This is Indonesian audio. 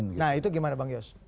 nah itu gimana bang yos